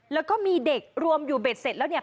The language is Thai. แล้วก็มีเด็กรวมอยู่เบ็ดเสร็จแล้วเนี่ย